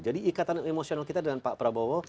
jadi ikatan emosional kita dengan pak prabowo